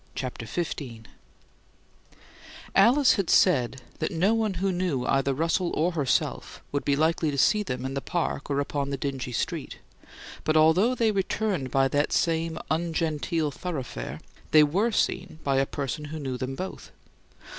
CHAPTER XV Alice had said that no one who knew either Russell or herself would be likely to see them in the park or upon the dingy street; but although they returned by that same ungenteel thoroughfare they were seen by a person who knew them both.